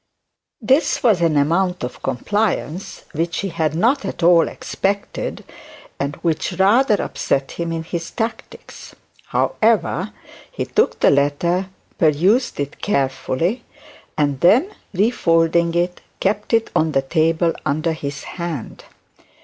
This was an amount of compliance which he had not at all expected, and which rather upset him in his tactics. However, he took the letter, perused it carefully, and then refolding it, kept it on the table under his hand.